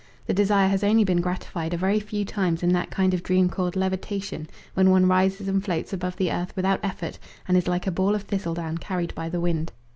The desire has only been gratified a very few times in that kind of dream called levitation, when one rises and floats above the earth without effort and is like a ball of thistledown carried by the wind.